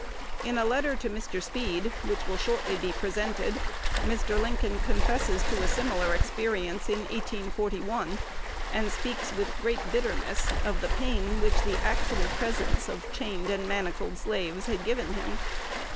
In a letter to Mr. Speed, which will shortly be presented, Mr. Lincoln confesses to a similar experience in 1841, and speaks with great bitterness of the pain which the actual presence of chained and manacled slaves had given him.